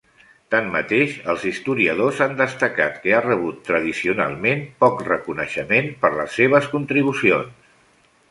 Tanmateix, els historiadors han destacat que ha rebut tradicionalment poc reconeixement per les seves contribucions.